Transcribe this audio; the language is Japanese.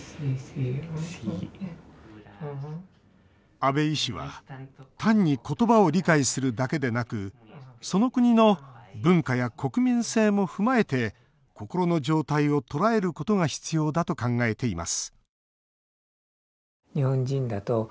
阿部医師は単に言葉を理解するだけでなくその国の文化や国民性も踏まえて心の状態を捉えることが必要だと考えています